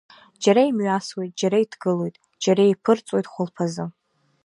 Џьара имҩасуеит, џьара иҭгылоит, џьара еиԥырҵуеит хәылԥазы…